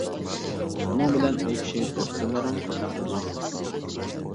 شۇنىڭ بىلەن ئۇ كىشى دوستلىرىڭ قاتارىغا قوشۇلىدۇ.